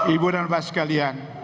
ibu dan bapak sekalian